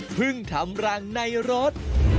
พึ่งทำรังในรถ